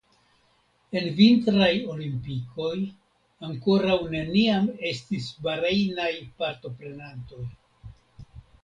En vintraj olimpikoj ankoraŭ neniam estis Barejnaj partoprenantoj.